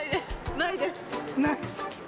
ない。